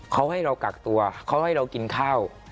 เขาให้เรากักตัวเขาให้เรากินข้าว